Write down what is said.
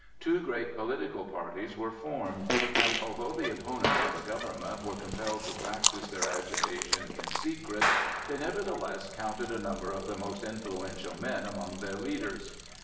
Two great political parties were formed, and although the opponents of the government were compelled to practise their agitation in secret, they nevertheless counted a number of the most influential men among their leaders.